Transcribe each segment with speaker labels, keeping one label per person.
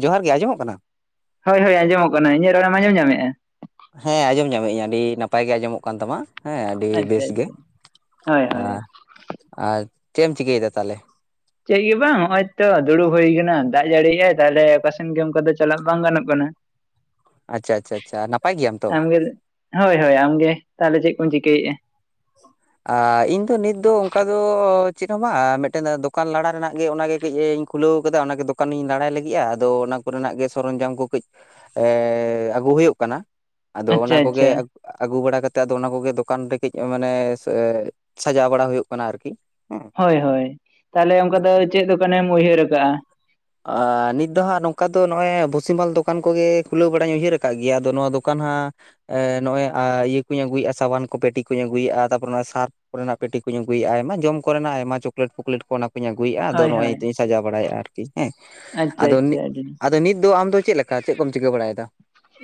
Speaker 1: ᱡᱚᱦᱟᱨ ᱜᱮ ᱟᱸᱡᱚᱢᱚᱜ ᱠᱟᱱᱟ?
Speaker 2: ᱦᱳᱭ ᱦᱳᱭ ᱟᱸᱡᱚᱢᱚᱜ ᱠᱟᱱᱟ, ᱤᱧᱟᱹᱜ ᱨᱚᱲᱮᱢ ᱟᱸᱡᱚᱢ ᱧᱟᱢᱮᱫᱼᱟ?
Speaker 1: ᱦᱮᱸ, ᱟᱸᱡᱚᱢ ᱧᱟᱢᱮᱜ ᱟᱹᱧ ᱟᱹᱰᱤ ᱱᱟᱯᱟᱭ ᱜᱮ ᱟᱸᱡᱚᱢᱚᱜ ᱠᱟᱱ ᱛᱟᱢᱟ᱾ ᱦᱮᱸ, ᱟᱹᱰᱤ
Speaker 2: ᱟᱪᱪᱷᱟ
Speaker 1: ᱵᱮᱥ ᱜᱮ
Speaker 2: ᱟᱪᱪᱷᱟ ᱦᱳᱭ ᱦᱳᱭ
Speaker 1: ᱟᱨ ᱪᱮᱫ ᱮᱢ ᱪᱤᱠᱟᱹᱭᱮᱫᱟ ᱛᱟᱦᱚᱞᱮ?
Speaker 2: ᱪᱮᱫ ᱜᱮ ᱵᱟᱝ ᱦᱚᱜ-ᱚᱭ ᱛᱚ ᱫᱩᱲᱩᱵ ᱦᱳᱭ ᱠᱟᱱᱟ ᱫᱟᱜ ᱡᱟᱹᱲᱤ ᱮᱭᱟᱭ ᱛᱟᱦᱚᱞᱮ ᱚᱠᱟ ᱥᱮᱱ ᱜᱮ ᱚᱱᱠᱟ ᱫᱚ ᱪᱟᱞᱟᱜ ᱵᱟᱝ ᱜᱟᱱᱚᱜ ᱠᱟᱱᱟ ᱾ [unintelligible]
Speaker 1: ᱟᱪᱪᱷᱟ ᱟᱪᱷᱟ ᱟᱪᱷᱟ, ᱱᱟᱯᱟᱭ ᱜᱮᱭᱟᱢ ᱛᱚ
Speaker 2: ᱦᱳᱭ ᱦᱳᱭ, ᱟᱢᱜᱮ ᱛᱟᱦᱚᱞᱮ ᱪᱮᱫ ᱠᱚᱢ ᱪᱤᱠᱟᱹᱭᱮᱫᱼᱟ? [unintelligible]
Speaker 1: ᱟᱻᱤᱧ ᱫᱚ ᱱᱤᱛ ᱫᱚ ᱚᱝᱠᱟ ᱫᱚ ᱪᱮᱫ ᱦᱚᱸ ᱵᱟᱝ ᱢᱤᱫᱴᱮᱱ ᱫᱚᱠᱟᱱ ᱞᱟᱲᱟ ᱨᱮᱱᱟᱜ ᱜᱮ ᱚᱱᱟᱜᱮ ᱠᱟᱹᱡ ᱟᱹᱧ ᱠᱷᱩᱞᱟᱹᱣ ᱠᱟᱫᱟ ᱚᱱᱟ ᱜᱮ ᱫᱚᱠᱟᱱᱤᱧ ᱞᱟᱲᱟᱭ ᱞᱟᱹᱜᱤᱫᱼᱟ ᱟᱫᱚ ᱚᱱᱟ ᱠᱚᱨᱮᱱᱟᱜ ᱜᱮ ᱥᱚᱨᱚᱧᱡᱟᱢ ᱠᱚ ᱠᱟᱹᱡ ᱮᱸ ᱟᱹᱜᱩ ᱦᱳᱭᱳᱜ ᱠᱟᱱᱟ, ᱟᱫᱚ ᱚᱱᱟ
Speaker 2: ᱟᱪᱪᱷᱟ
Speaker 1: ᱠᱚ ᱜᱮ
Speaker 2: ᱟᱪᱪᱷᱟ
Speaker 1: ᱟᱹᱜᱩ ᱵᱟᱲᱟ ᱠᱟᱛᱮᱫ ᱟᱫᱚ ᱚᱱᱟ ᱠᱚ ᱜᱮ ᱫᱚᱠᱟᱱ ᱨᱮ ᱠᱟᱹᱡ ᱢᱟᱱᱮ ᱥᱟᱡᱟᱣ ᱵᱟᱲᱟ ᱦᱳᱭᱳᱜ ᱠᱟᱱᱟ ᱟᱨᱠᱤ ᱾
Speaker 2: ᱦᱳᱭ ᱦᱳᱭ, ᱛᱟᱦᱚᱞᱮ ᱚᱝᱠᱟ ᱫᱚ ᱪᱮᱫ ᱫᱚᱠᱟᱱᱮᱢ ᱩᱭᱦᱟᱹᱨ ᱟᱠᱟᱜᱼᱟ?
Speaker 1: ᱟᱻ ᱱᱤᱛ ᱫᱚ ᱦᱟᱸᱜ ᱱᱚᱝᱠᱟ ᱫᱚ ᱱᱚᱜᱼᱚᱭ ᱵᱷᱩᱥᱤᱢᱟᱞ ᱫᱚᱠᱟᱱ ᱠᱚ ᱜᱮ ᱠᱷᱩᱞᱟᱹᱣ ᱵᱟᱲᱟᱧ ᱩᱭᱦᱟᱹᱨ ᱠᱟᱜ ᱜᱮᱭᱟ ᱟᱫᱚ ᱱᱚᱣᱟ ᱫᱚᱠᱟᱱ ᱦᱟᱸᱜ ᱱᱚᱜᱼᱚᱭ ᱤᱭᱟᱹ ᱠᱚᱧ ᱟᱹᱜᱩᱭᱮᱫᱼᱟ ᱥᱟᱵᱟᱱ ᱠᱚ ᱯᱮᱴᱤ ᱠᱚᱧ ᱟᱹᱜᱩᱭᱮᱫᱼᱟ ᱛᱟᱨᱯᱚᱨ ᱱᱚᱣᱟ ᱥᱟᱨ ᱠᱚᱨᱮᱱᱟᱜ ᱯᱮᱴᱤ ᱠᱚᱧ ᱟᱹᱜᱩᱭᱮᱫᱼᱟ ᱟᱭᱢᱟ ᱡᱚᱢ ᱠᱚᱨᱮᱱᱟᱜ ᱟᱭᱢᱟ ᱪᱚᱠᱞᱮᱴ ᱯᱷᱚᱠᱞᱮᱴ ᱠᱚ ᱚᱱᱟ ᱟᱹᱜᱩᱭᱮᱫᱼᱟ ᱟᱫᱚ
Speaker 2: ᱦᱳᱭ
Speaker 1: ᱱᱚᱜᱼᱚᱭ
Speaker 2: ᱦᱳᱭ
Speaker 1: ᱱᱤᱛᱚ ᱤᱧ ᱥᱟᱡᱟᱣ ᱵᱟᱲᱟᱭᱮᱫᱼᱟ ᱟᱨᱠᱤ ᱦᱮᱸ
Speaker 2: ᱟᱪᱪᱷᱟ ᱟᱪᱪᱷᱟ ᱟᱹᱰᱤ
Speaker 1: ᱟᱫᱚ ᱱᱤᱛ ᱫᱚ ᱟᱢ ᱫᱚ ᱪᱮᱫ ᱞᱮᱠᱟ ᱪᱮᱫ ᱠᱚᱢ ᱪᱤᱠᱟᱹ ᱵᱟᱲᱟᱭᱮᱫᱟ?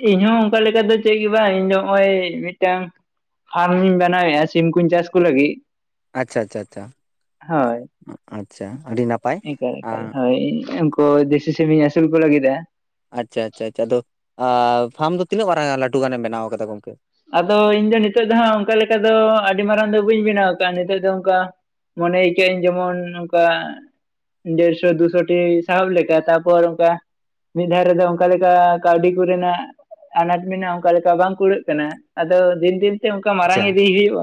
Speaker 2: ᱤᱧ ᱦᱚᱸ ᱚᱝᱠᱟ ᱞᱮᱠᱟ ᱫᱚ ᱪᱮᱫ ᱜᱮ ᱵᱟᱝ ᱤᱧ ᱫᱚ ᱱᱚᱜᱼᱚᱭ ᱢᱤᱫᱴᱟᱝ ᱯᱷᱟᱨᱢᱤᱧ ᱵᱮᱱᱟᱣᱮᱫᱼᱟ ᱥᱤᱢ ᱠᱩᱧ ᱪᱟᱥ ᱠᱚ ᱞᱟᱹᱜᱤᱫ ᱾
Speaker 1: ᱟᱪᱪᱷᱟ ᱟᱪᱪᱷᱟ ᱟᱪᱪᱷᱟ
Speaker 2: ᱦᱳᱭ
Speaker 1: ᱟᱪᱪᱷᱟ ᱟᱹᱰᱤ ᱱᱟᱯᱟᱭ ᱟᱸ
Speaker 2: [inaudible] ᱠᱚ ᱫᱮᱥᱤ ᱥᱤᱢᱤᱧ ᱟᱹᱥᱩᱞ ᱠᱚ ᱞᱟᱹᱜᱤᱫᱟ᱾
Speaker 1: ᱟᱪᱪᱷᱟ ᱟᱪᱪᱷᱟ ᱟᱪᱪᱷᱟ, ᱟᱫᱚ ᱯᱷᱟᱨᱟᱢ ᱫᱚ ᱛᱤᱱᱟᱹᱜ ᱢᱟᱨᱟᱝ ᱞᱟᱹᱴᱩ ᱜᱟᱱᱮᱢ ᱵᱮᱱᱟᱣ ᱟᱠᱟᱫᱟ ᱜᱚᱢᱠᱮ?
Speaker 2: ᱟᱫᱚ ᱤᱧ ᱫᱚ ᱱᱤᱛᱚᱜ ᱫᱚ ᱦᱟᱸᱜ ᱚᱝᱠᱟ ᱞᱮᱠᱟ ᱫᱚ ᱟᱹᱰᱤ ᱢᱟᱨᱟᱝ ᱫᱚ ᱵᱟᱹᱧ ᱵᱮᱱᱟᱣ ᱟᱠᱟᱫᱼᱟ, ᱱᱤᱛᱚᱜ ᱫᱚ ᱚᱝᱠᱟ ᱢᱚᱱᱮᱭ ᱠᱟᱹᱧ ᱡᱮᱢᱚᱱ ᱱᱚᱝᱠᱟ ᱰᱮᱲᱥᱚ ᱫᱩᱥᱚ ᱴᱤ ᱥᱟᱦᱮᱵ ᱞᱮᱠᱟ, ᱛᱟᱨᱯᱚᱨ ᱚᱝᱠᱟ ᱢᱤᱫ ᱫᱷᱟᱣ ᱨᱮ ᱫᱚ ᱚᱝᱠᱟ ᱞᱮᱠᱟ ᱠᱟᱹᱣᱰᱤ ᱠᱚᱨᱮᱱᱟᱜ ᱟᱱᱟᱴ ᱢᱮᱱᱟᱜᱼᱟ᱾ ᱚᱝᱠᱟ ᱞᱮᱠᱟ ᱵᱟᱝ ᱠᱩᱲᱟᱹᱜ ᱟᱫᱚ ᱫᱤᱱ ᱫᱤᱱ ᱛᱮ ᱚᱝᱠᱟ ᱢᱟᱨᱟᱝ
Speaker 1: ᱟᱪᱪᱷᱟ
Speaker 2: ᱤᱫᱤᱭ ᱦᱩᱭᱩᱜᱼ,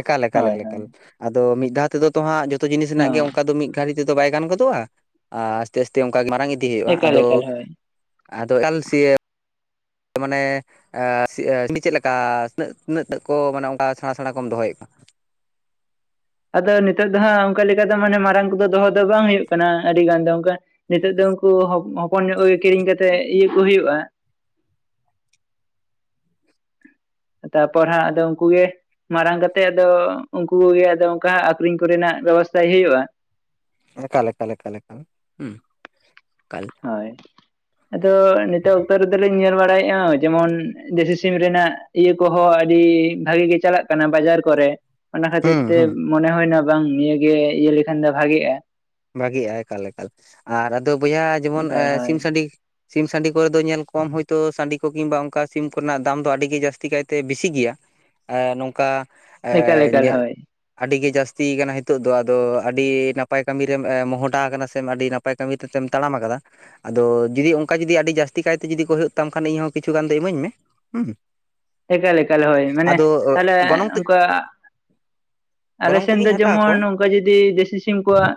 Speaker 1: ᱮᱠᱟᱞ ᱮᱠᱟᱞ
Speaker 2: ᱦᱳᱭ ᱦᱳᱭ
Speaker 1: ᱮᱠᱟᱞ ᱟᱫᱚ ᱢᱤᱫ ᱫᱷᱟᱣ ᱛᱮ ᱫᱚ ᱛᱚ ᱦᱟᱸᱜ ᱡᱚᱛᱚ ᱡᱤᱱᱤᱥ ᱨᱮᱱᱟᱜ
Speaker 2: ᱦᱚᱸ
Speaker 1: ᱜᱮ ᱚᱝᱠᱟ ᱫᱚ ᱢᱤᱫ ᱢᱤᱫ ᱜᱷᱟᱹᱲᱤ ᱛᱮ ᱫᱚ ᱵᱟᱭ ᱜᱟᱱ ᱜᱚᱫᱚᱜᱼᱟ ᱟᱨ ᱟᱥᱛᱮ ᱟᱥᱛᱮ ᱚᱝᱠᱟ ᱜᱮ ᱢᱟᱨᱟᱝ ᱤᱫᱤᱭ ᱦᱩᱭᱩᱜᱼᱟ,
Speaker 2: ᱮᱠᱟᱞ
Speaker 1: ᱟᱫᱚ
Speaker 2: ᱮᱠᱟᱞ ᱦᱳᱭ
Speaker 1: ᱟᱫᱚ [inaudible] ᱢᱟᱱᱮ ᱥᱟᱹᱰᱤ ᱪᱮᱫ ᱞᱮᱠᱟ ᱛᱤᱱᱟᱹᱜ ᱛᱤᱱᱟᱹᱜ ᱠᱚ ᱢᱟᱱᱮ ᱚᱝᱠᱟ ᱥᱮᱬᱟ ᱥᱮᱬᱟ ᱠᱚᱢ ᱫᱚᱦᱚᱭᱮᱫ ᱠᱚᱣᱟ?
Speaker 2: ᱟᱫᱚ ᱱᱤᱛᱳᱜ ᱫᱚ ᱦᱟᱸᱜ ᱚᱝᱠᱟ ᱞᱮᱠᱟ ᱫᱚ ᱢᱟᱱᱮ ᱢᱟᱨᱟᱝ ᱠᱚᱫᱚ ᱫᱚᱦᱚ ᱫᱚ ᱵᱟᱝ ᱦᱩᱭᱩᱜ ᱠᱟᱱᱟ ᱟᱹᱰᱤ ᱜᱟᱱ ᱫᱚ ᱚᱱᱠᱟ᱾ ᱱᱤᱛᱚᱜ ᱫᱚ ᱩᱱᱠᱩ ᱦᱚᱯᱚᱱ ᱧᱚᱜ ᱠᱚᱜᱮ ᱠᱤᱨᱤᱧ ᱠᱟᱛᱮᱜ ᱤᱭᱟᱹ ᱠᱚ ᱦᱩᱭᱩᱜᱼᱟ ᱾ ᱛᱟᱯᱚᱨ ᱦᱟᱸᱜ ᱟᱫᱚ ᱩᱱᱠᱩᱜᱮ ᱢᱟᱨᱟᱝ ᱠᱟᱛᱮᱫ ᱟᱫᱚ ᱩᱱᱠᱩ ᱠᱚᱜᱮ ᱟᱫᱚ ᱚᱝᱠᱟ ᱟᱹᱠᱷᱨᱤᱧ ᱠᱚᱨᱮᱱᱟᱜ ᱵᱮᱵᱚᱥᱛᱷᱟᱭ ᱦᱩᱭᱩᱜᱼᱟ᱾
Speaker 1: [inaudible]
Speaker 2: ᱦᱳᱭ, ᱟᱫᱚ ᱱᱤᱛᱳᱜ ᱚᱠᱛᱚ ᱨᱮᱫᱚ ᱞᱤᱧ ᱧᱮᱞ ᱵᱟᱲᱟᱭᱮᱫᱼᱟ᱾ ᱡᱮᱢᱚᱱ ᱫᱮᱥᱤ ᱥᱤᱢ ᱨᱮᱱᱟᱜ ᱤᱭᱟᱹ ᱠᱚ ᱦᱚᱸ ᱟᱹᱰᱤ ᱵᱷᱟᱜᱮ ᱜᱮ ᱪᱟᱞᱟᱜ ᱠᱟᱱᱟ ᱵᱟᱡᱟᱨ ᱠᱚᱨᱮ ᱾ ᱚᱱᱟ ᱠᱷᱟᱹᱛᱤᱨ
Speaker 1: ᱦᱩᱸ
Speaker 2: ᱛᱮ
Speaker 1: ᱦᱩᱸ
Speaker 2: ᱢᱚᱱᱮ ᱦᱩᱭᱱᱟ ᱵᱟᱝ ᱱᱤᱭᱟᱹᱜᱮ ᱤᱭᱟᱹ ᱞᱮᱠᱷᱟᱱ ᱫᱚ ᱵᱷᱟᱜᱮᱜᱼᱟ᱾
Speaker 1: ᱵᱷᱟᱜᱮᱜᱼᱟ ᱮᱠᱟᱞ ᱮᱠᱟᱞ ᱟᱨ ᱟᱫᱚ ᱵᱚᱭᱦᱟ ᱡᱮᱢᱚᱱ
Speaker 2: ᱮᱠᱟᱞ ᱦᱳᱭ
Speaker 1: ᱥᱤᱢ ᱥᱟᱰᱤ ᱥᱤᱢ ᱥᱟᱺᱰᱤ ᱠᱚᱨᱮ ᱫᱚ ᱧᱮᱞ ᱠᱚᱢ ᱦᱚᱭ ᱛᱳ ᱥᱟᱺᱰᱤ ᱠᱚ ᱠᱤᱢᱵᱟ ᱚᱝᱠᱟ ᱥᱤᱢ ᱠᱚᱨᱮ ᱱᱟᱜ ᱫᱟᱢ ᱫᱚ ᱟᱹᱰᱤ ᱜᱮ ᱡᱟᱹᱥᱛᱤ ᱠᱟᱭ ᱛᱮ ᱵᱤᱥᱤ ᱜᱮᱭᱟ᱾ ᱟᱨ ᱱᱚᱝᱠᱟ,
Speaker 2: ᱮᱠᱟᱞ ᱮᱠᱟᱞ ᱦᱳᱭ
Speaker 1: ᱟᱹᱰᱤ ᱜᱮ ᱡᱟᱹᱥᱛᱤ ᱠᱟᱱᱟ ᱦᱤᱛᱳᱜ ᱫᱚ ᱟᱫᱚ ᱟᱹᱰᱤ ᱱᱟᱯᱟᱭ ᱠᱟᱹᱢᱤᱨ ᱨᱮᱢ ᱮ ᱢᱚᱦᱚᱰᱟ ᱟᱠᱟᱱᱟ ᱥᱮᱢ ᱟᱹᱰᱤ ᱱᱟᱯᱟᱭ ᱠᱟᱹᱢᱤ ᱛᱮ ᱛᱮᱢ ᱛᱟᱲᱟᱢ ᱟᱠᱟᱫᱟ᱾ ᱟᱫᱚ ᱡᱩᱫᱤ ᱚᱱᱠᱟ ᱡᱩᱫᱤ ᱟᱹᱰᱤ ᱡᱟᱹᱥᱛᱤ ᱠᱟᱭᱛᱮ ᱡᱩᱫᱤ ᱠᱚ ᱦᱩᱭᱩᱜ ᱛᱟᱢ ᱠᱷᱟᱱ ᱤᱧᱦᱚᱸ ᱠᱤᱪᱷᱩ ᱜᱟᱱ ᱫᱚ ᱤᱢᱟᱹᱧ ᱢᱮ, ᱦᱩᱸ᱾
Speaker 2: ᱮᱠᱟᱞ ᱮᱠᱟᱞ ᱦᱳᱭ ᱢᱟᱱᱮ
Speaker 1: ᱟᱫᱚ
Speaker 2: ᱛᱟᱦᱞᱮ
Speaker 1: ᱜᱚᱱᱚᱝ ᱛᱮ
Speaker 2: ᱚᱱᱠᱟ ᱟᱞᱮ
Speaker 1: ᱜᱚᱱᱚᱝ
Speaker 2: ᱥᱮᱱ ᱫᱚ
Speaker 1: ᱛᱮᱜᱤᱧ ᱦᱟᱛᱟᱣ
Speaker 2: ᱡᱮᱢᱚᱱ
Speaker 1: ᱠᱚᱣᱟ
Speaker 2: ᱱᱚᱝᱠᱟ ᱡᱩᱫᱤ ᱫᱮᱥᱤ ᱥᱤᱢ ᱠᱚᱣᱟᱜ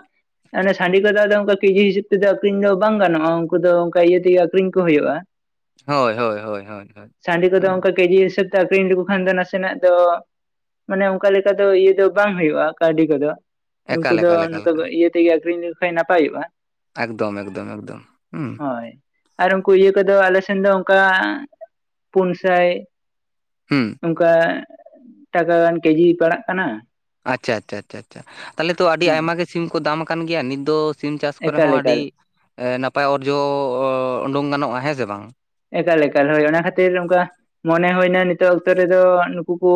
Speaker 2: ᱚᱱᱮ ᱥᱟᱸᱰᱤ ᱠᱚᱫᱚ ᱟᱫᱚ ᱚᱱᱠᱟ ᱠᱮᱡᱤ ᱦᱤᱥᱟᱹᱵ ᱛᱮᱫᱚ ᱟᱠᱷᱨᱤᱧ ᱫᱚ ᱵᱟᱝ ᱜᱟᱱᱚᱜᱼᱟ ᱩᱱᱠᱩ ᱫᱚ ᱚᱱᱠᱟ ᱤᱭᱟᱹ ᱛᱮᱜᱮ ᱟᱠᱷᱨᱤᱧ ᱠᱚ ᱦᱩᱭᱩᱜᱼᱟ᱾
Speaker 1: ᱦᱳᱭ ᱦᱳᱭ ᱦᱳᱭ ᱦᱳᱭ ᱦᱳᱭ,
Speaker 2: ᱥᱟᱺᱰᱤ ᱠᱚᱫᱚ
Speaker 1: ᱩᱸ
Speaker 2: ᱚᱱᱠᱟ ᱠᱮᱡᱤ ᱦᱤᱥᱟᱹᱵ ᱛᱮ ᱟᱠᱷᱨᱤᱧ ᱞᱮᱠᱚ ᱠᱷᱟᱱ ᱫᱚ ᱱᱟᱥᱮᱱᱟᱜ ᱫᱚ ᱢᱟᱱᱮ ᱚᱱᱠᱟ ᱞᱮᱠᱟ ᱫᱚ ᱤᱭᱟᱹ ᱫᱚ ᱵᱟᱝ ᱦᱩᱭᱩᱜᱼᱟ ᱠᱟᱹᱣᱰᱤ ᱠᱚᱫᱚ᱾ ᱩᱱᱠᱩ
Speaker 1: ᱮᱠᱟᱞ
Speaker 2: ᱫᱚ
Speaker 1: ᱮᱠᱟᱞ ᱮᱠᱟᱞ
Speaker 2: ᱱᱚᱝᱠᱟ ᱠᱚ ᱤᱭᱟᱹ ᱛᱮᱜᱮ ᱟᱠᱷᱨᱤᱧ ᱞᱮᱠᱚ ᱠᱷᱟᱱᱡ ᱱᱟᱯᱟᱭᱚᱜᱼᱟ᱾
Speaker 1: ᱮᱠᱫᱚᱢ ᱮᱠᱫᱚᱢ ᱮᱠᱫᱚᱢ, ᱦᱩᱸ
Speaker 2: ᱦᱳᱭ, ᱟᱨ ᱩᱱᱠᱩ ᱤᱭᱟᱹ ᱠᱚᱫᱚ ᱟᱞᱮ ᱥᱮᱱ ᱫᱚ ᱚᱱᱠᱟ ᱯᱩᱱ ᱥᱟᱭ
Speaker 1: ᱦᱩᱸ᱾
Speaker 2: ᱚᱱᱠᱟ, ᱴᱟᱠᱟ ᱜᱟᱱ ᱠᱮᱡᱤ ᱯᱟᱲᱟᱜ ᱠᱟᱱᱟ᱾
Speaker 1: ᱟᱪᱪᱷᱟ ᱟᱪᱪᱷᱟ ᱟᱪᱪᱷᱟ ᱟᱪᱪᱷᱟ ᱛᱟᱞᱦᱮ ᱛᱚ ᱟᱹᱰᱤ
Speaker 2: ᱦᱮᱸ
Speaker 1: ᱟᱭᱢᱟ ᱜᱮ ᱥᱤᱢ ᱠᱚ ᱫᱟᱢ ᱟᱠᱟᱱ ᱜᱮᱭᱟ ᱱᱤᱛ ᱫᱚ ᱥᱤᱢ ᱪᱟᱥ ᱠᱚᱨᱮ
Speaker 2: ᱮᱠᱟᱞ
Speaker 1: ᱦᱚᱸ
Speaker 2: ᱮᱠᱟᱞ
Speaker 1: ᱟᱹᱰᱤ ᱮ ᱱᱟᱯᱟᱭ ᱚᱨᱡᱚ ᱚ ᱩᱰᱩᱝ ᱜᱟᱱᱚᱜᱼᱟ, ᱦᱮᱸ ᱥᱮ ᱵᱟᱝ?
Speaker 2: ᱮᱠᱟᱞ ᱮᱠᱟᱞ ᱦᱳᱭ ᱚᱱᱟ ᱠᱷᱟᱹᱛᱤᱨ ᱚᱱᱠᱟ ᱢᱚᱱᱮ ᱦᱩᱭᱱᱟ ᱱᱤᱛᱳᱜ ᱚᱠᱛᱚ ᱨᱮᱫᱚ ᱱᱩᱠᱩ ᱠᱚ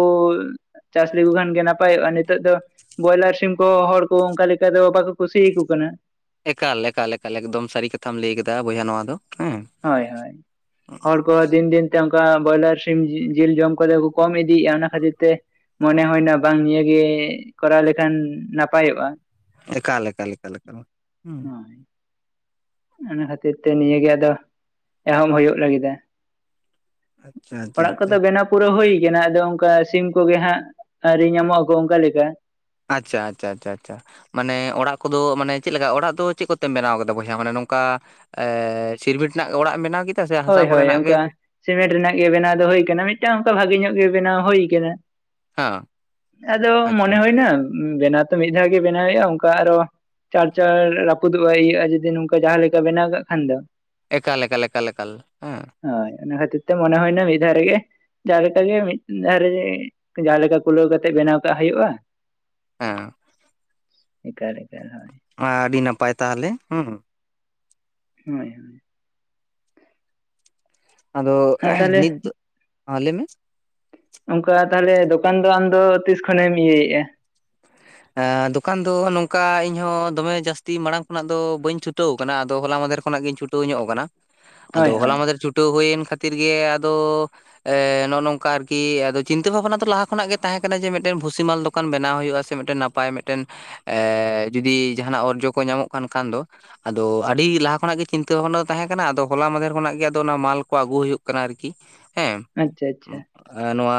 Speaker 2: ᱪᱟᱥ ᱞᱮᱠᱚ ᱠᱷᱟᱱ ᱜᱮ ᱱᱟᱯᱟᱭᱚᱜᱼᱟ, ᱱᱤᱛᱚᱜ ᱫᱚ ᱵᱚᱭᱞᱟᱨ ᱥᱤᱢ ᱠᱚ ᱦᱚᱲ ᱠᱚ ᱚᱱᱠᱟ ᱞᱮᱠᱟ ᱫᱚ ᱵᱟᱠᱚ ᱠᱩᱥᱤᱭᱟᱠᱚ ᱠᱟᱱᱟ᱾
Speaker 1: ᱮᱠᱟᱞ ᱮᱠᱟᱞ ᱮᱠᱟᱞ ᱮᱠᱫᱚᱢ ᱥᱟᱹᱨᱤ ᱠᱟᱛᱷᱟᱢ ᱞᱮᱭ ᱟᱠᱟᱫᱟ ᱵᱚᱭᱦᱟ ᱱᱚᱣᱟ ᱫᱚ, ᱦᱮᱸ?
Speaker 2: ᱦᱳᱭ ᱦᱳᱭ᱾ ᱦᱚᱲ ᱠᱚᱦᱚᱸ ᱫᱤᱱ ᱫᱤᱱᱛᱮ ᱚᱱᱠᱟ ᱵᱚᱭᱞᱟᱨ ᱥᱤᱢ ᱡᱤ ᱡᱤᱞ ᱡᱚᱢ ᱠᱚᱫᱚ ᱠᱚ ᱠᱚᱢ ᱤᱫᱤᱭᱮᱫᱼᱟ ᱚᱱᱟ ᱠᱷᱟᱹᱛᱤᱨ ᱛᱮ ᱢᱚᱱᱮ ᱦᱩᱭᱱᱟ ᱵᱟᱝ ᱱᱤᱭᱟᱹ ᱜᱮ ᱠᱚᱨᱟᱣ ᱞᱮᱠᱷᱟᱱ ᱱᱟᱯᱟᱭᱚᱜᱼᱟ᱾
Speaker 1: ᱮᱠᱟᱞ ᱮᱠᱟᱞ ᱮᱠᱟᱞ ᱮᱠᱟᱞ ᱦᱩᱸ,
Speaker 2: ᱦᱳᱭ ᱚᱱᱟ ᱠᱷᱟᱹᱛᱤᱨ ᱛᱮ ᱱᱤᱭᱟᱹ ᱜᱮ ᱟᱫᱚ ᱮᱦᱚᱵ ᱦᱩᱭᱩᱜ ᱞᱟᱹᱜᱤᱫᱟ᱾
Speaker 1: ᱟᱪᱪᱷᱟ ᱟᱪᱪᱷᱟ
Speaker 2: ᱚᱲᱟᱜ
Speaker 1: ᱟᱪᱪᱷᱟ
Speaker 2: ᱠᱚᱫᱚ ᱵᱮᱱᱟᱯ ᱯᱩᱨᱟᱹ ᱦᱩᱭ ᱠᱟᱱᱟ ᱟᱫᱚ ᱚᱱᱠᱟ ᱥᱤᱢ ᱠᱚᱜᱮ ᱦᱟᱸᱜ ᱟᱹᱣᱨᱤ ᱧᱟᱢᱚᱜ-ᱟ ᱠᱚ ᱚᱱᱠᱟ ᱞᱮᱠᱟ᱾
Speaker 1: ᱟᱪᱪᱷᱟ ᱟᱪᱪᱷᱟ ᱟᱪᱪᱷᱟ ᱟᱪᱪᱷᱟ᱾ ᱢᱟᱱᱮ ᱚᱲᱟᱜ ᱠᱚᱫᱚ ᱢᱟᱱᱮ ᱪᱮᱫ ᱞᱮᱠᱟ ᱚᱲᱟᱜ ᱫᱚ ᱪᱮᱫ ᱠᱚᱛᱮᱢ ᱵᱮᱱᱟᱣ ᱠᱟᱫᱟ ᱵᱚᱭᱦᱟ ᱢᱟᱱᱮ ᱱᱚᱝᱠᱟ ᱮ ᱥᱤᱨᱢᱤᱴ ᱨᱮᱱᱟᱜ ᱚᱲᱟᱜ ᱮᱢ ᱵᱮᱱᱟᱣ ᱠᱮᱫᱟ? ᱥᱮ ᱦᱟᱥᱟ
Speaker 2: ᱦᱳᱭ ᱦᱳᱭ
Speaker 1: ᱠᱚᱨᱮᱱᱟᱜ ᱜᱮ
Speaker 2: ᱚᱱᱠᱟ ᱥᱤᱢᱮᱱᱴ ᱨᱮᱱᱟᱜ ᱜᱮ ᱵᱮᱱᱟᱣ ᱫᱚ ᱦᱳᱭ ᱠᱟᱱᱟ, ᱢᱤᱫᱴᱟᱝ ᱚᱱᱠᱟ ᱵᱷᱟᱜᱮ ᱧᱚᱜ ᱜᱮ ᱵᱮᱱᱟᱣ ᱦᱳᱭ ᱠᱟᱱᱟ᱾
Speaker 1: ᱦᱮᱸ
Speaker 2: ᱟᱫᱚ
Speaker 1: ᱟᱪᱪᱷᱟ
Speaker 2: ᱢᱚᱱᱮ ᱦᱩᱭᱱᱟ ᱩᱸ ᱵᱮᱱᱟᱣ ᱛᱚ ᱢᱤᱫ ᱫᱷᱟᱣ ᱜᱮ ᱵᱮᱱᱟᱣ ᱦᱩᱭᱩᱜᱼᱟ ᱚᱱᱠᱟ ᱟᱨᱚ ᱪᱟᱸᱲ ᱪᱟᱸᱲ ᱨᱟᱹᱯᱩᱫᱚᱜᱼᱟ ᱤᱭᱟᱹᱜᱼᱟ ᱡᱩᱫᱤ ᱱᱚᱝᱠᱟ ᱡᱟᱦᱟᱸ ᱞᱮᱠᱟ ᱵᱮᱱᱟᱣ ᱠᱟᱜ ᱠᱷᱟᱱ ᱫᱚ᱾
Speaker 1: ᱮᱠᱟᱞ ᱮᱠᱟᱞ ᱮᱠᱟᱞ ᱮᱠᱟᱞ ᱦᱮᱸ
Speaker 2: ᱦᱳᱭ ᱚᱱᱟ ᱠᱷᱟᱹᱛᱤᱨ ᱛᱮ ᱢᱚᱱᱮ ᱦᱩᱭᱱᱟ ᱢᱤᱫ ᱫᱷᱟᱣ ᱨᱮᱜᱮ ᱡᱟᱦᱟᱸ ᱞᱮᱠᱟ ᱜᱮ ᱢᱤᱫ ᱫᱷᱟᱨᱮ ᱨᱮ ᱡᱟᱦᱟᱸ ᱞᱮᱠᱟ ᱠᱩᱞᱟᱹᱣ ᱠᱟᱛᱮᱜ ᱵᱮᱱᱟᱣ ᱠᱟᱜ ᱦᱩᱭᱩᱜᱼᱟ᱾
Speaker 1: ᱦᱮᱸ᱾
Speaker 2: ᱮᱠᱟᱞ ᱮᱠᱟᱞ ᱦᱳᱭ᱾
Speaker 1: ᱟᱻᱰᱤ ᱱᱟᱯᱟᱭ ᱛᱟᱦᱚᱞᱮ ᱦᱩᱸ᱾
Speaker 2: ᱦᱳᱭ ᱦᱳᱭ᱾
Speaker 1: ᱟᱫᱚ
Speaker 2: ᱟᱨ ᱛᱟᱦᱚᱞᱮ
Speaker 1: ᱱᱤᱛ ᱫᱚ, ᱦᱟᱸ ᱞᱮᱭ ᱢᱮ᱾
Speaker 2: ᱚᱱᱠᱟ ᱛᱟᱦᱞᱮ ᱫᱚᱠᱟᱱ ᱫᱚ ᱟᱢᱫᱚ ᱛᱤᱥ ᱠᱷᱚᱱᱮᱢ ᱤᱭᱟᱹᱭᱮᱜᱼᱟ? [inaudible]
Speaker 1: ᱮᱸ ᱫᱚᱠᱟᱱ ᱫᱚ ᱱᱚᱝᱠᱟ ᱤᱧ ᱦᱚᱸ ᱫᱚᱢᱮ ᱡᱟᱹᱥᱛᱤ ᱢᱟᱲᱟᱝ ᱠᱷᱚᱱᱟᱜ ᱫᱚ ᱵᱟᱹᱧ ᱪᱷᱩᱴᱟᱹᱣ ᱟᱠᱟᱱᱟ ᱟᱫᱚ ᱦᱚᱞᱟ ᱢᱟᱫᱷᱮᱨ ᱠᱷᱚᱱᱟᱜ ᱜᱤᱧ ᱪᱷᱩᱴ ᱴᱟᱹᱣ ᱧᱚᱜ ᱠᱟᱱᱟ,
Speaker 2: ᱦᱳᱭ
Speaker 1: ᱟᱫᱚ ᱦᱚᱞᱟ
Speaker 2: ᱦᱳᱭ
Speaker 1: ᱢᱟᱫᱷᱮᱨ ᱪᱷᱩᱴᱟᱹᱣ ᱦᱩᱭᱮᱱ ᱠᱷᱟᱹᱛᱤᱨ ᱜᱮ ᱟᱫᱚ ᱮ ᱱᱚᱜᱼᱚ ᱱᱚᱝᱠᱟ ᱟᱨᱠᱤ ᱪᱤᱱᱛᱟᱹ ᱵᱷᱟᱵᱱᱟ ᱫᱚ ᱞᱟᱦᱟ ᱠᱷᱚᱱᱟᱜ ᱜᱮ ᱛᱟᱦᱮᱸ ᱠᱟᱱᱟ ᱡᱮ ᱢᱤᱫᱴᱮᱱ ᱵᱷᱩᱥᱤ ᱢᱟᱞ ᱫᱚᱠᱟᱱ ᱵᱮᱱᱟᱣ ᱦᱩᱭᱩᱜᱼᱟ᱾ ᱢᱤᱫᱴᱮᱱ ᱱᱟᱯᱟᱭ ᱢᱤᱫᱴᱮᱱ ᱮ ᱡᱩᱫᱤ ᱡᱟᱦᱟᱱᱟᱜ ᱚᱨᱡᱚ ᱠᱚ ᱧᱟᱢᱚᱜ ᱠᱟᱱ ᱠᱷᱟᱱ ᱫᱚ ᱟᱫᱚ ᱟᱹᱰᱤ ᱞᱟᱦᱟ ᱠᱷᱚᱱᱟᱜ ᱜᱮ ᱪᱤᱱᱛᱟᱹ ᱵᱷᱟᱵᱱᱟ ᱫᱚ ᱛᱟᱦᱮᱸ ᱠᱟᱱᱟ ᱟᱫᱚ ᱦᱚᱞᱟ ᱢᱟᱫᱷᱮᱨ ᱠᱷᱚᱱᱟᱜ ᱜᱮ ᱟᱫᱚ ᱚᱱᱟ ᱢᱟᱞ ᱠᱚ ᱟᱹᱜᱩ ᱦᱩᱭᱩᱜ ᱠᱟᱱᱟ ᱟᱨᱠᱤ᱾
Speaker 2: ᱟᱪᱪᱷᱟ ᱟᱪᱪᱷᱟ᱾
Speaker 1: ᱟ ᱱᱚᱣᱟ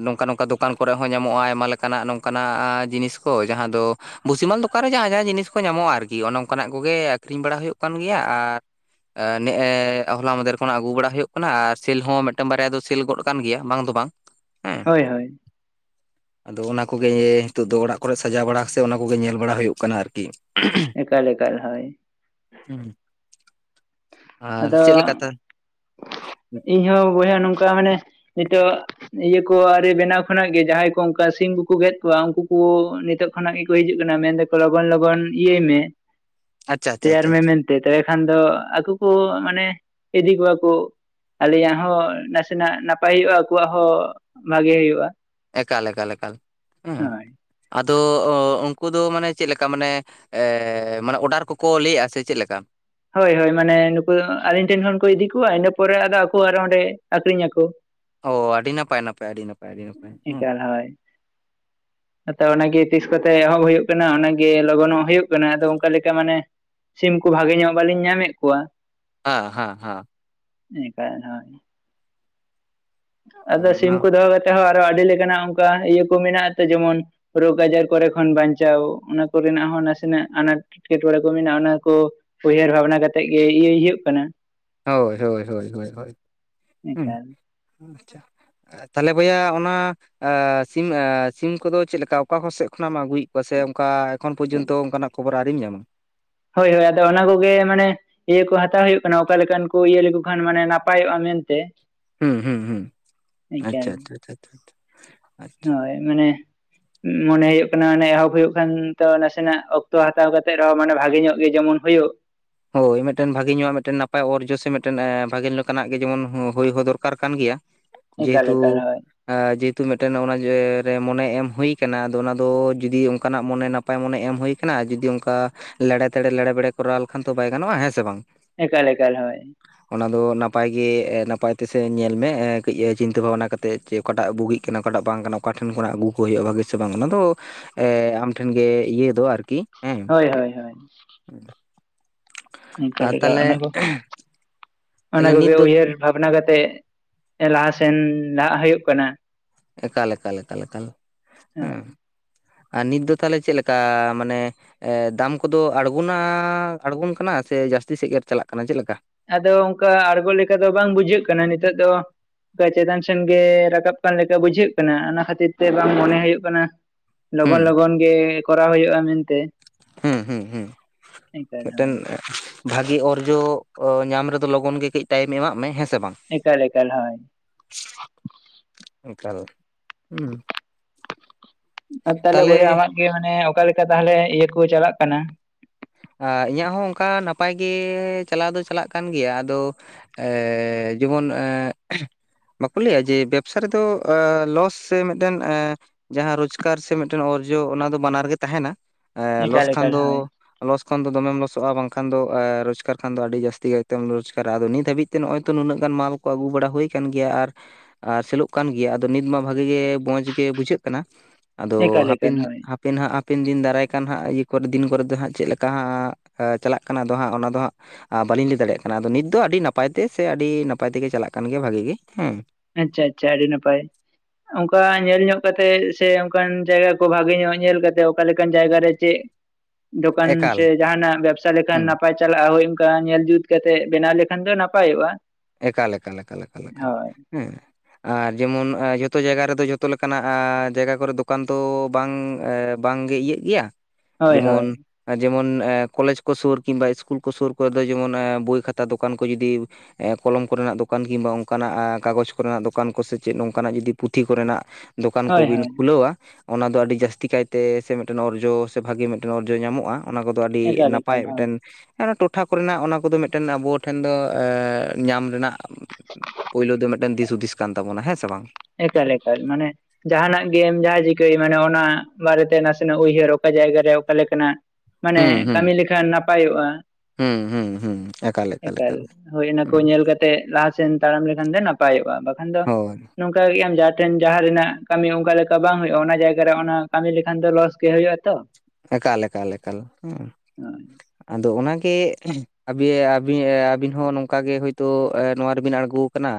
Speaker 1: ᱱᱚᱝᱠᱟ ᱱᱚᱝᱠᱟ ᱫᱚᱠᱟᱱ ᱠᱚᱨᱮ ᱦᱚᱸ ᱧᱟᱢᱚᱜᱼᱟ ᱟᱭᱢᱟ ᱞᱮᱠᱟᱱᱟᱜ ᱱᱚᱝᱠᱟᱱᱟᱜ ᱟᱡ ᱡᱤᱱᱤᱥ ᱠᱚ ᱡᱟᱦᱟᱸ ᱫᱚ ᱵᱷᱩᱥᱤᱢᱟᱞ ᱫᱚᱠᱟᱱ ᱨᱮ ᱡᱟᱦᱟᱸ ᱡᱟᱦᱟᱸ ᱡᱤᱱᱤᱥ ᱠᱚ ᱧᱟᱢᱚᱜᱼᱟ ᱟᱨᱠᱤ ᱚᱱᱮ ᱚᱱᱠᱟᱱᱟᱜ ᱠᱚᱜᱮ ᱟᱠᱷᱨᱤᱧ ᱵᱟᱲᱟ ᱦᱩᱭᱩᱜ ᱠᱟᱱ ᱜᱮᱭᱟ ᱟᱨ ᱟ ᱱᱮᱜᱼᱮ ᱦᱚᱞᱟ ᱢᱟᱫᱷᱮᱨ ᱠᱷᱱᱟᱜ ᱟᱹᱜᱩ ᱵᱟᱲᱟ ᱦᱩᱭᱩᱜ ᱠᱟᱱᱟ ᱟᱨ ᱥᱮᱞ ᱦᱚᱸ ᱢᱤᱫᱴᱟᱝ ᱵᱟᱨᱭᱟ ᱫᱚ ᱥᱮᱞ ᱜᱚᱫ ᱠᱟᱱ ᱜᱮᱭᱟ ᱵᱟᱝ ᱫᱚ ᱵᱟᱝ᱾ ᱦᱮᱸ
Speaker 2: ᱦᱳᱭ ᱦᱳᱭ᱾
Speaker 1: ᱟᱫᱚ ᱚᱱᱟ ᱠᱚᱜᱮ ᱱᱤᱛᱳᱜ ᱫᱚ ᱚᱲᱟᱜ ᱠᱚᱨᱮ ᱥᱟᱡᱟᱣ ᱵᱟᱲᱟ ᱥᱮ ᱚᱱᱟ ᱠᱚᱜᱮ ᱧᱮᱞ ᱵᱟᱲᱟ ᱦᱩᱭᱩᱜ ᱠᱟᱱᱟ ᱟᱨᱠᱤ᱾
Speaker 2: ᱮᱠᱟᱞ ᱮᱠᱟᱞ ᱦᱳᱭ᱾
Speaker 1: ᱦᱩᱸ᱾ ᱟᱨ
Speaker 2: ᱟᱫᱚ
Speaker 1: ᱪᱮᱫ ᱞᱮᱠᱟ ᱛᱟ
Speaker 2: ᱤᱧ ᱦᱚᱸ ᱵᱚᱭᱦᱟ ᱱᱚᱝᱠᱟ ᱢᱟᱱᱮ ᱱᱤᱛᱚᱜ ᱤᱭᱟᱹ ᱠᱚ ᱟᱹᱣᱨᱤ ᱵᱮᱱᱟᱣ ᱠᱷᱚᱱᱟᱜ ᱜᱮ ᱡᱟᱦᱟᱸᱭ ᱠᱚ ᱚᱱᱠᱟ ᱥᱤᱢ ᱠᱩᱠᱩ ᱜᱮᱫ ᱠᱚᱣᱟ ᱩᱱᱠᱩ ᱠᱩ ᱱᱤᱛᱚᱜ ᱜᱷᱚᱱᱚ ᱜᱮᱠᱚ ᱦᱤᱡᱩᱜ ᱠᱟᱱᱟ ᱢᱮᱱ ᱫᱟᱠᱚ ᱞᱚᱜᱚᱱ ᱞᱚᱜᱚᱱ ᱤᱭᱟᱹᱭ ᱢᱮ
Speaker 1: ᱟᱪᱪᱷᱟ ᱟᱪᱪᱷᱟ
Speaker 2: ᱛᱮᱭᱟᱨ
Speaker 1: ᱟᱪᱪᱷᱟ
Speaker 2: ᱢᱮ
Speaker 1: ᱟᱪᱪᱷᱟ
Speaker 2: ᱢᱮᱱᱛᱮ ᱛᱚᱵᱮ ᱠᱷᱟᱱ ᱫᱚ ᱟᱠᱚ ᱠᱩ ᱢᱟᱱᱮ ᱤᱫᱤ ᱠᱚᱣᱟ ᱠᱩ ᱟᱞᱮᱭᱟᱜ ᱦᱚᱸ ᱱᱟᱥᱮᱱᱟᱜ ᱱᱟᱯᱟᱭ ᱦᱩᱭᱩᱜᱼᱟ ᱟᱠᱚᱣᱟᱜ ᱦᱚᱸ ᱵᱷᱟᱜᱮ ᱦᱩᱭᱩᱜᱼᱟ᱾
Speaker 1: ᱮᱠᱟᱞ ᱮᱠᱟᱞ ᱮᱠᱟᱞ ᱮᱸ
Speaker 2: ᱦᱳᱭ
Speaker 1: ᱟᱫᱚ ᱩᱱᱠᱩ ᱫᱚ ᱢᱟᱱᱮ ᱪᱮᱫ ᱞᱮᱠᱟ ᱢᱟᱱᱮ ᱮᱻ ᱢᱟᱱᱮ ᱚᱰᱟᱨ ᱠᱚᱠᱚ ᱞᱟᱹᱭᱮᱫᱼᱟ ᱥᱮ ᱪᱮᱫ ᱞᱮᱠᱟ?
Speaker 2: ᱦᱳᱭ ᱦᱳᱭ ᱢᱟᱱᱮ ᱱᱩᱠᱩ ᱫᱚ ᱟᱹᱞᱤᱧ ᱴᱷᱮᱱ ᱠᱷᱚᱱ ᱠᱚ ᱤᱫᱤ ᱠᱚᱣᱟ ᱤᱱᱟᱹ ᱯᱚᱨᱮ ᱟᱫᱚ ᱟᱠᱚ ᱟᱨᱦᱚᱸ ᱚᱸᱰᱮ ᱟᱠᱷᱨᱤᱧ ᱟᱠᱚ᱾
Speaker 1: ᱚ ᱟᱹᱰᱤ ᱱᱟᱯᱟᱭ ᱱᱟᱯᱟᱭ ᱟᱹᱰᱤ ᱱᱟᱯᱟᱭ ᱟᱹᱰᱤ ᱱᱟᱯᱟᱭ ᱦᱩᱸ᱾
Speaker 2: [unintelligible] ᱦᱮᱸ ᱛᱚ ᱚᱱᱟᱜᱮ ᱛᱤᱥ ᱠᱚᱛᱮ ᱮᱦᱚᱵ ᱦᱩᱭᱩᱜ ᱠᱟᱱᱟ ᱚᱱᱟᱜᱮ ᱞᱚᱜᱚᱱᱚᱜ ᱦᱩᱭᱩᱜ ᱠᱟᱱᱟ ᱟᱫᱚ ᱚᱱᱠᱟ ᱞᱮᱠᱟ ᱢᱟᱱᱮ ᱥᱤᱢ ᱠᱚ ᱵᱷᱟᱜᱮ ᱧᱚᱜ ᱵᱟᱹᱞᱤᱧ ᱧᱟᱢᱮᱫ ᱠᱚᱣᱟ।
Speaker 1: ᱦᱟᱸ ᱦᱟᱸ ᱦᱟᱸ।
Speaker 2: ᱤ ᱠᱟᱜ ᱡᱟᱸᱦᱟᱭ। ᱟᱫᱚ ᱥᱤᱢ
Speaker 1: ᱚᱱᱟ
Speaker 2: ᱠᱚ ᱫᱚᱦᱚ ᱠᱟᱛᱮᱫ ᱦᱚᱸ ᱟᱨᱚ ᱟᱹᱰᱤ ᱞᱮᱠᱟᱱᱟᱜ ᱚᱱᱠᱟ ᱤᱭᱟᱹ ᱠᱚ ᱢᱮᱱᱟᱜ-ᱟ ᱛᱚ ᱡᱮᱢᱚᱱ ᱨᱳᱜᱽ ᱟᱡᱟᱨ ᱠᱚᱨᱮ ᱠᱷᱚᱱ ᱵᱟᱧᱪᱟᱣ ᱚᱱᱟ ᱠᱚᱨᱮᱱᱟᱜ ᱦᱚᱸ ᱱᱟᱥᱮᱱᱟᱜ ᱟᱱᱟᱴ। ᱠᱷᱮᱛ ᱵᱟᱲᱟ ᱠᱚ ᱢᱮᱱᱟᱜᱼᱟ ᱚᱱᱟ ᱠᱚ ᱩᱭᱦᱟᱹᱨ ᱵᱷᱟᱵᱽᱱᱟ ᱠᱟᱛᱮᱫ ᱜᱮ ᱤᱭᱟᱹᱭ ᱦᱩᱭᱩᱜ ᱠᱟᱱᱟ᱾
Speaker 1: ᱦᱳᱭ ᱦᱳᱭ ᱦᱳᱭ ᱦᱳᱭ ᱦᱳᱭ ᱩᱸ
Speaker 2: ᱱᱮᱛᱟᱨ
Speaker 1: ᱟᱪᱪᱷᱟ। ᱟ ᱛᱟᱦᱚᱞᱮ ᱵᱚᱭᱦᱟ ᱚᱱᱟ ᱮ ᱥᱤᱢ ᱮ ᱥᱤᱢ ᱠᱚᱫᱚ ᱪᱮᱫ ᱞᱮᱠᱟ ᱚᱠᱟ ᱥᱮᱫ ᱠᱷᱚᱱᱮᱢ ᱟᱹᱜᱩᱭᱮᱫ ᱠᱚ ᱥᱮ ᱚᱱᱠᱟ ᱮᱠᱷᱚᱱ ᱯᱚᱨᱚᱡᱚᱱᱛᱚ ᱚᱱᱠᱟᱱᱟᱜ ᱠᱷᱚᱵᱚᱨ ᱟᱣᱨᱤᱧ ᱧᱟᱢᱟ।
Speaker 2: ᱦᱳᱭ ᱦᱳᱭ ᱟᱫᱚ ᱚᱱᱟ ᱠᱚᱜᱮ ᱢᱟᱱᱮ ᱤᱭᱟᱹ ᱠᱚ ᱦᱟᱛᱟᱣ ᱦᱩᱭᱩᱜ ᱠᱟᱱᱟ ᱚᱠᱟ ᱞᱮᱠᱟᱱ ᱠᱚ ᱤᱭᱟᱹ ᱞᱮᱠᱚ ᱠᱷᱟᱱ ᱢᱟᱱᱮ ᱱᱟᱯᱟᱭᱚᱜᱼᱟ ᱢᱮᱱᱛᱮ।
Speaker 1: ᱦᱩᱸ ᱦᱩᱸ ᱦᱩᱸ
Speaker 2: ᱮᱠᱟᱞ
Speaker 1: ᱟᱪᱪᱷᱟ ᱟᱪᱪᱷᱟ ᱟᱪᱪᱷᱟ ᱟᱪᱪᱷᱟ ᱟᱪᱪᱷᱟ।
Speaker 2: ᱦᱳᱭ ᱢᱟᱱᱮ ᱢᱚᱱᱮ ᱦᱩᱭᱩᱜ ᱠᱟᱱᱟ ᱢᱟᱱᱮ ᱮᱦᱚᱵ ᱦᱩᱭᱩᱜ ᱠᱷᱟᱱ ᱛᱚ ᱱᱟᱥᱮᱱᱟᱜ ᱚᱠᱛᱚ ᱦᱟᱛᱟᱣ ᱠᱟᱛᱮᱜ ᱨᱮᱦᱚᱸ ᱢᱟᱱᱮ ᱵᱷᱟᱜᱮ ᱧᱚᱜ ᱜᱮ ᱡᱮᱢᱚᱱ ᱦᱩᱭᱩᱜ
Speaker 1: ᱦᱳᱭ ᱢᱤᱫᱴᱮᱱ ᱵᱷᱟᱜᱮ ᱧᱚᱜᱟᱜ ᱢᱤᱫᱴᱮᱱ ᱱᱟᱯᱟᱭ ᱚᱨᱡᱚ ᱥᱮ ᱢᱤᱫᱴᱮᱱ ᱵᱷᱟᱜᱮ ᱞᱮᱠᱟᱱᱟᱜ ᱜᱮ ᱡᱮᱢᱚᱱ ᱦᱳᱭ ᱦᱚᱸ ᱫᱚᱨᱠᱟᱨ ᱠᱟᱱ ᱜᱮᱭᱟ।
Speaker 2: [inaudible]
Speaker 1: ᱡᱮᱦᱮᱛᱩ
Speaker 2: ᱮᱠᱟᱞ ᱦᱳᱭ
Speaker 1: ᱟ ᱡᱮᱦᱮᱛᱩ ᱢᱤᱫᱴᱮᱱ ᱚᱱᱟ ᱡᱮ ᱨᱮ ᱢᱚᱱᱮ ᱮᱢ ᱦᱩᱭ ᱠᱟᱱᱟ ᱟᱫᱚ ᱚᱱᱟ ᱫᱚ ᱡᱩᱫᱤ ᱢᱚᱱᱮ ᱱᱟᱯ ᱱᱟᱯᱟᱭ ᱢᱚᱱᱮ ᱮᱢ ᱦᱩᱭ ᱠᱟᱱᱟ ᱟᱨ ᱡᱩᱫᱤ ᱚᱱᱠᱟ ᱞᱮᱲᱮ ᱛᱮᱲᱮ ᱞᱮᱲᱮ ᱵᱮᱲᱮ ᱠᱚᱨᱟᱣ ᱞᱮᱠᱷᱟᱱ ᱛᱚ ᱵᱟᱭ ᱜᱟᱱᱚᱜᱼᱟ ᱦᱮᱸ ᱥᱮ ᱵᱟᱝ?
Speaker 2: ᱮᱠᱟᱞ ᱮᱠᱟᱞ ᱦᱳᱭ।
Speaker 1: ᱚᱱᱟ ᱫᱚ ᱱᱟᱯᱟᱭ ᱜᱮ ᱱᱟᱯᱟᱭ ᱛᱮᱥᱮ ᱧᱮᱞ ᱢᱮ ᱠᱟᱹᱡ ᱤᱭᱟᱹ ᱪᱤᱱᱛᱟᱹ ᱵᱷᱟᱵᱱᱟ ᱠᱟᱛᱼᱼ ᱮᱫ ᱪᱮᱫ ᱚᱠᱟᱴᱟᱜ ᱵᱩᱜᱤᱜ ᱠᱟᱱᱟ ᱚᱠᱟᱴᱟᱜ ᱵᱩᱜᱤᱜ ᱠᱟᱱᱟ ᱚᱠᱟᱴᱟᱜ ᱵᱟᱝ ᱠᱟᱱᱟ ᱚᱠᱟ ᱴᱷᱮᱱ ᱠᱷᱚᱱᱟᱜ ᱟᱹᱜᱩ ᱠᱚ ᱦᱩᱭᱩᱜᱼᱟ ᱵᱷᱟᱜᱤ ᱥᱮ ᱵᱟᱝ ᱚᱱᱟ ᱫᱚ ᱮ ᱟᱢ ᱴᱷᱮᱱ ᱜᱮ ᱤᱭᱟᱹ ᱫᱚ ᱟᱨᱠᱤ ᱦᱮᱸ
Speaker 2: ᱦᱚᱭ ᱦᱚᱭ ᱦᱚᱭ।
Speaker 1: ᱟᱨ
Speaker 2: ᱮᱠᱟᱞ
Speaker 1: ᱛᱟᱦᱞᱮ
Speaker 2: ᱚᱱᱟ ᱠᱚ ᱚᱱᱟ ᱠᱚᱜᱮ ᱩᱭᱦᱟᱹᱨ ᱵᱷᱟᱵᱱᱟ ᱠᱟᱛᱮᱫ ᱞᱟᱦᱟᱥᱮᱱ ᱞᱟᱦᱟᱜ ᱦᱩᱭᱩᱜ ᱠᱟᱱᱟ।
Speaker 1: ᱮᱠᱟᱞ ᱮᱠᱟᱞ ᱮᱠᱟᱞ ᱮᱠᱟᱞ ᱦᱮᱸ, ᱟᱨ ᱱᱤᱛ ᱫᱚ ᱛᱟᱦᱚᱞᱮ ᱪᱮᱫ ᱞᱮᱠᱟ ᱢᱟᱱᱮ ᱮ ᱫᱟᱢ ᱠᱚᱫᱚ ᱟᱬᱜᱚᱱᱟ ᱟᱬᱜᱚᱱ ᱠᱟᱱᱟ ᱥᱮ ᱡᱟᱹᱥᱛᱤ ᱥᱮᱫ ᱜᱮ ᱪᱟᱞᱟᱜ ᱠᱟᱱᱟ ᱪᱮᱫ ᱞᱮᱠᱟ?
Speaker 2: ᱟᱫᱚ ᱚᱱᱠᱟ ᱟᱬᱜᱚ ᱞᱮᱠᱟ ᱫᱚ ᱵᱟᱝ ᱵᱩᱡᱷᱟᱹᱜ ᱠᱟᱱᱟ ᱱᱤᱛᱚᱜ ᱫᱚ ᱠᱟᱹᱡ ᱪᱮᱛᱟᱱ ᱥᱮᱱ ᱜᱮ ᱨᱟᱠᱟᱵ ᱠᱟᱱ ᱞᱮᱠᱟ ᱵᱩᱡᱷᱟᱹᱜ ᱠᱟᱱᱟ ᱚᱱᱟ ᱠᱷᱟᱹᱛᱤᱨ ᱛᱮ ᱵᱟᱝ ᱢᱚᱱᱮ ᱦᱩᱭᱩᱜ ᱠᱟᱱᱟᱼᱼ
Speaker 1: ᱦᱩᱸ
Speaker 2: ᱞᱚᱜᱚᱱ ᱞᱚᱜᱚᱱ ᱜᱮ ᱠᱚᱨᱟᱣ ᱦᱩᱭᱩᱜᱼᱟ ᱢᱮᱱᱛᱮ।
Speaker 1: ᱦᱩᱸ ᱦᱩᱸ ᱦᱩᱸ
Speaker 2: ᱮᱠᱟᱞ
Speaker 1: ᱢᱤᱫᱴᱮᱱ
Speaker 2: ᱦᱳᱭ
Speaker 1: ᱵᱷᱟᱜᱤ ᱚᱨᱡᱚ ᱧᱟᱢ ᱨᱮᱫᱚ ᱞᱚᱜᱚᱱ ᱜᱮ ᱠᱟᱹᱡ ᱴᱟᱭᱤᱢ ᱮᱢᱟᱜ ᱢᱮ ᱦᱮᱸ ᱥᱮ ᱵᱟᱝ।
Speaker 2: ᱮᱠᱟᱞ ᱮᱠᱟᱞ ᱦᱳᱭ।
Speaker 1: ᱮᱠᱟᱞ ᱦᱩᱸ।
Speaker 2: ᱟᱨ ᱛᱟᱦᱚᱞᱮ ᱵᱚᱭᱦᱟ ᱟᱢᱟᱜ ᱜᱮ ᱢᱟᱱᱮ ᱚᱠᱟ ᱞᱮᱠᱟ ᱛᱟᱦᱚᱞᱮ ᱤᱭᱟᱹ ᱠᱚ ᱪᱟᱞᱟᱜ ᱠᱟᱱᱟ?
Speaker 1: ᱟ ᱤᱧᱟᱹᱜ ᱦᱚᱸ ᱚᱱᱠᱟ ᱱᱟᱯᱟᱭ ᱜᱮ ᱪᱟᱞᱟᱣ ᱫᱚ ᱪᱟᱞᱟᱜ ᱠᱟᱱ ᱜᱮᱭᱟ ᱟᱫᱚ ᱮᱻ ᱡᱮᱢᱚᱱ ᱮᱜ ᱵᱟᱠᱚ ᱞᱟᱹᱭᱟ ᱡᱮ ᱵᱮᱵᱽᱥᱟ ᱨᱮᱫᱚ ᱮ ᱞᱚᱥ ᱥᱮ ᱢᱤᱫᱴᱮᱱ ᱮ ᱡᱟᱦᱟᱸ ᱨᱳᱡᱽᱠᱟᱨ ᱥᱮ ᱢᱤᱫᱴᱮᱱ ᱚᱨᱡᱚ ᱚᱱᱟ ᱫᱚ ᱵᱟᱱᱟᱨ ᱜᱮ ᱛᱟᱦᱮᱱᱟ ᱞᱚᱥ
Speaker 2: ᱮᱠᱟᱞ
Speaker 1: ᱠᱷᱟᱱ
Speaker 2: ᱮᱠᱟᱞ
Speaker 1: ᱫᱚ
Speaker 2: ᱦᱳᱭ
Speaker 1: ᱞᱚᱥ ᱠᱷᱚᱱ ᱫᱚ ᱫᱚᱢᱮᱢ ᱞᱚᱥᱚᱜᱼᱟ ᱵᱟᱝᱠᱷᱟᱱ ᱫᱚ ᱮ ᱨᱚᱡᱽᱜᱟᱨ ᱠᱷᱟᱱ ᱫᱚ ᱟᱹᱰᱤ ᱡᱟᱹᱥᱛᱤ ᱠᱟᱭᱛᱮᱢ ᱨᱚᱡᱽᱜᱟᱨᱟ ᱟᱫᱚ ᱱᱤᱛ ᱦᱟᱵᱤᱡ ᱛᱮ ᱱᱚᱜᱼᱚᱭ ᱛᱚ ᱱᱩᱱᱟᱹᱜ ᱜᱟᱱ ᱢᱟᱞ ᱠᱚ ᱟᱹᱜᱩ ᱵᱟᱲᱟ ᱦᱩᱭ ᱠᱟᱱ ᱜᱮᱭᱟ ᱟᱨ ᱟᱨ ᱥᱮᱞᱚᱜ ᱠᱟᱱ ᱜᱮᱭᱟ ᱟᱫᱚ ᱱᱤᱛ ᱢᱟ ᱵᱷᱟᱜᱮ ᱜᱮ ᱢᱚᱸᱡᱽ ᱜᱮ ᱵᱩᱡᱷᱟᱹᱜ ᱠᱟᱱᱟ। ᱟᱫᱚ
Speaker 2: ᱮᱠᱟᱞ
Speaker 1: ᱦᱟᱯᱮᱱ
Speaker 2: ᱮᱠᱟᱞ ᱦᱳᱭ
Speaker 1: ᱦᱟᱯᱮᱱ ᱦᱟᱜ ᱦᱟᱯᱮᱱ ᱫᱤᱱ ᱫᱟᱨᱟᱭ ᱠᱟᱱ ᱦᱟᱜ ᱤᱭᱟᱹ ᱠᱚᱨᱮ ᱫᱤᱱ ᱠᱚᱨᱮ ᱫᱚ ᱦᱟᱜ ᱪᱮᱫ ᱞᱮᱠᱟ? ᱠᱟ ᱦᱟᱜ ᱮ ᱪᱟᱞᱟᱜ ᱠᱟᱱᱟ ᱫᱚ ᱦᱟᱸᱜ ᱚᱱᱟ ᱫᱚ ᱦᱟᱸᱜ ᱵᱟᱹᱞᱤᱧ ᱞᱟᱹᱭ ᱫᱟᱲᱮᱭᱟᱜ ᱠᱟᱱᱟ ᱟᱫᱚ ᱱᱤᱛ ᱫᱚ ᱟᱹᱰᱤ ᱱᱟᱯᱟᱭ ᱛᱮ ᱥᱮ ᱟᱹᱰᱤ ᱱᱟᱯᱟᱭ ᱛᱮᱜᱮ ᱪᱟᱞᱟᱜ ᱠᱟᱱ ᱜᱮᱭᱟ ᱵᱷᱟᱹᱜᱤ ᱜᱮ ᱦᱮᱸ।
Speaker 2: ᱟᱪᱪᱷᱟ ᱟᱪᱪᱷᱟ ᱟᱹᱰᱤ ᱱᱟᱯᱟᱭ। ᱚᱱᱠᱟ ᱧᱮᱞ ᱧᱚᱜ ᱠᱟᱛᱮᱜ ᱥᱮ ᱚᱱᱠᱟᱱ ᱡᱟᱭᱜᱟ ᱠᱚ ᱵᱷᱟᱜᱮ ᱧᱚᱜ ᱧᱮᱞ ᱠᱟᱛᱮᱫ ᱚᱠᱟᱞᱮᱠᱟᱱ ᱡᱟᱭᱜᱟ ᱨᱮ ᱪᱮᱫ ᱫᱚᱠᱟᱱ
Speaker 1: ᱮᱠᱟᱞ
Speaker 2: ᱥᱮ ᱡᱟᱦᱟᱱᱟᱜ ᱵᱮᱵᱥᱟ ᱞᱮᱠᱷᱟᱱ
Speaker 1: ᱦᱮᱸ
Speaker 2: ᱱᱟᱯᱟᱭ ᱪᱟᱞᱟᱜᱼᱟ ᱦᱳᱭ ᱚᱱᱠᱟ ᱧᱮᱞ ᱡᱩᱛ ᱠᱟᱛᱮᱜ ᱵᱮᱱᱟᱣ ᱞᱮᱠᱷᱟᱱ ᱫᱚ ᱱᱟᱯᱟᱭᱚᱜᱼᱟ᱾
Speaker 1: ᱮᱠᱟᱞ ᱮᱠᱟᱞ ᱮᱠᱟᱞ ᱮᱠᱟᱞ ᱮᱠᱟᱞ
Speaker 2: ᱦᱳᱭ
Speaker 1: ᱦᱮᱸ᱾ ᱟᱨ ᱡᱮᱢᱚᱱ ᱡᱚᱛᱚ ᱡᱟᱭᱜᱟ ᱨᱮᱫᱚ ᱡᱷᱚᱛᱚ ᱞᱮᱠᱟᱱᱟᱜ ᱡᱟᱭᱜᱟ ᱠᱚᱨᱮ ᱫᱚᱠᱟᱱ ᱫᱚ ᱵᱟᱝ ᱵᱟᱝᱜᱮ ᱤᱭᱟᱹᱜ ᱜᱮᱭᱟ
Speaker 2: ᱦᱳᱭ
Speaker 1: ᱡᱮᱢᱚᱱ
Speaker 2: ᱦᱳᱭ
Speaker 1: ᱡᱮᱢᱚᱱ ᱮᱸ ᱠᱚᱞᱮᱡᱽ ᱠᱚ ᱥᱩᱨ ᱠᱤᱢᱵᱟ ᱤᱥᱠᱩᱞ ᱠᱚ ᱥᱩᱨ ᱠᱚᱨᱮ ᱫᱚ ᱡᱮᱢᱚᱱ ᱮᱸ ᱵᱳᱭ ᱠᱷᱟᱛᱟ ᱫᱚᱠᱟᱱ ᱠᱚ ᱡᱩᱫᱤ ᱮ ᱠᱚᱞᱚᱢ ᱠᱚᱨᱮᱱᱟᱜ ᱫᱚᱠᱟᱱ ᱠᱤᱢᱵᱟ ᱚᱱᱠᱟᱱᱟᱜ ᱟ ᱠᱟᱜᱚᱡᱽ ᱠᱚᱨᱮᱱᱟᱜ ᱫᱚᱠᱟᱱ ᱠᱚᱥᱮ ᱪᱮᱫ ᱱᱚᱝᱠᱟᱱᱟᱜ ᱡᱩᱫᱤ ᱯᱩᱛᱷᱤ ᱠᱚᱨᱮᱱᱟᱜ ᱫᱚᱠᱟᱱ
Speaker 2: ᱦᱳᱭ
Speaker 1: ᱠᱚᱵᱤᱱ
Speaker 2: ᱦᱳᱭ
Speaker 1: ᱠᱷᱩᱞᱟᱹᱣᱟ ᱚᱱᱟ ᱫᱚ ᱟᱹᱰᱤ ᱡᱟᱹᱥᱛᱤ ᱠᱟᱭᱛᱮ ᱥᱮ ᱢᱤᱫᱴᱮᱱ ᱚᱨᱡᱚ ᱥᱮ ᱵᱷᱟᱜᱮ ᱢᱤᱫᱴᱮᱱ ᱚᱨᱡᱚ ᱧᱟᱢᱚᱜᱼᱟ᱾ ᱚᱱᱟ ᱠᱚᱫᱚ ᱛᱚ ᱟᱹᱰᱤ
Speaker 2: ᱮᱠᱟᱞ
Speaker 1: ᱱᱟᱯᱟᱭ
Speaker 2: ᱮᱠᱟᱞ ᱦᱳᱭ
Speaker 1: ᱢᱤᱫᱴᱮᱱ ᱴᱚᱴᱷᱟ ᱠᱚᱨᱮᱱᱟᱜ ᱚᱱᱟ ᱠᱚᱫᱚ ᱢᱤᱫᱴᱮᱱ ᱟᱵᱚ ᱴᱷᱮᱱ ᱫᱚ ᱮᱫ ᱧᱟᱢ ᱨᱮᱱᱟᱜ ᱯᱩᱭᱞᱳ ᱫᱚ ᱢᱤᱫᱴᱟᱝ ᱫᱤᱥ ᱦᱩᱫᱤᱥ ᱠᱟᱱ ᱛᱟᱵᱚᱱᱟ ᱦᱮᱸ ᱥᱮ ᱵᱟᱝ?
Speaker 2: ᱮᱠᱟᱞ ᱮᱠᱟᱞ᱾ ᱢᱟᱱᱮ ᱡᱟᱦᱟᱱᱟᱜ ᱜᱮᱢ ᱡᱟᱦᱟᱸ ᱪᱤᱠᱟᱹᱭ ᱢᱟᱱᱮ ᱚᱱᱟ ᱵᱟᱨᱮᱛᱮ ᱱᱟᱥᱮᱱᱟᱜ ᱩᱭᱦᱟᱹᱨ ᱚᱠᱟ ᱡᱟᱭᱜᱟᱨᱮ ᱚᱠᱟ ᱞᱮᱠᱟᱱᱟᱜ ᱢᱟᱱᱮ ᱠᱟᱹᱢᱤ ᱞᱮᱠᱷᱟᱱ ᱱᱟᱯᱟᱭᱚᱜᱼᱟᱼᱼ
Speaker 1: ᱦᱩᱸᱦᱩᱸ ᱾ ᱦᱩᱸ ᱮᱠᱟ
Speaker 2: ᱮᱠᱟᱞ, ᱦᱳᱭ ᱤᱱᱟᱹ ᱠᱚ ᱧᱮᱞ ᱠᱟᱛᱮᱜ ᱞᱟᱦᱟᱥᱮᱱ ᱛᱟᱲᱟᱢ ᱞᱮᱠᱷᱟᱱ ᱜᱮ ᱱᱟᱯᱟᱭᱚᱜᱼᱟ ᱵᱟᱠᱷᱟᱱ ᱫᱚ
Speaker 1: ᱦᱳᱭ
Speaker 2: ᱱᱚᱝᱠᱟ ᱜᱮ ᱟᱢ ᱡᱟᱦᱟᱸ ᱴᱷᱮᱱ ᱡᱟᱦᱟᱸ ᱨᱮᱱᱟᱜ ᱠᱟᱹᱢᱤ ᱚᱱᱠᱟ ᱞᱮᱠᱟ ᱵᱟᱝ ᱦᱩᱭᱩᱜ-ᱟ ᱚᱱᱟ ᱡᱟᱭᱜᱟ ᱨᱮ ᱚᱱᱟ ᱠᱟᱹᱢᱤ ᱞᱮᱠᱷᱟᱱ ᱫᱚ ᱞᱚᱥ ᱜᱮ ᱦᱩᱭᱩᱜ-ᱟ ᱛᱚ ᱾
Speaker 1: ᱮᱠᱟᱞᱮᱠᱟᱞᱮᱠᱟᱞ ᱦᱮ ᱟᱫᱚ ᱚᱱᱟᱜᱮ ᱟᱵᱤ ᱟᱵᱤ ᱟᱹᱵᱤᱱ ᱦᱚᱸ ᱱᱚᱝᱠᱟᱜᱮ ᱦᱳᱭᱛᱳ ᱱᱚᱣᱟ ᱨᱮᱵᱤᱱ ᱟᱬᱜᱚᱠᱟᱱᱟ